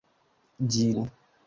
ĝin